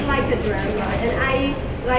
พวกมันจัดสินค้าที่๑๙นาที